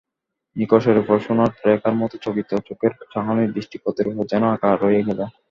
নিকষের উপর সোনার রেখার মতো চকিত চোখের চাহনি দৃষ্টিপথের উপরে যেন আঁকা রয়ে গেল!